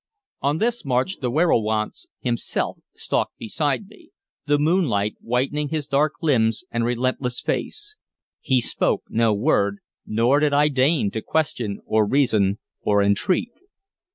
On this march the werowance himself stalked beside me, the moonlight whitening his dark limbs and relentless face. He spoke no word, nor did I deign to question or reason or entreat.